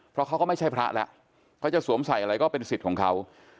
เพราะเขาก็ไม่ใช่พระแล้วเขาจะสวมใส่อะไรก็เป็นสิทธิ์ของเขา